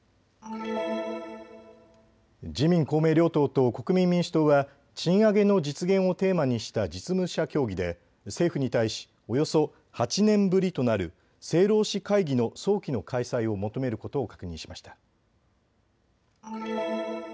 自民公明両党と国民民主党は賃上げの実現をテーマにした実務者協議で政府に対しおよそ８年ぶりとなる政労使会議の早期の開催を求めることを確認しました。